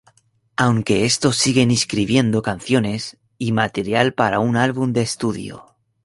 Aunque estos siguen escribiendo canciones y material para un álbum de estudio.